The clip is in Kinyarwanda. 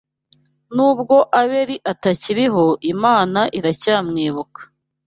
N’ubwo Abeli atakiriho, Imana iracyamwibuka